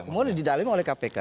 iya mau didalami oleh kpk